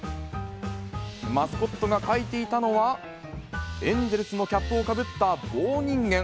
マスコットが描いていたのは、エンゼルスのキャップをかぶった棒人間。